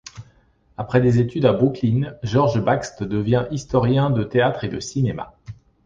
Après des études à Brooklyn, George Baxt devient historien de théâtre et de cinéma.